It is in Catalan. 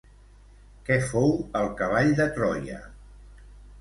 Què fou el cavall de Troia?